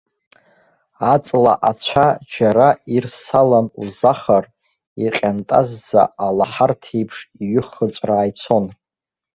Аҵла ацәа џьара ирсалан узахар, иҟьантазӡа алаҳарҭеиԥш иҩыхыҵәраа ицон.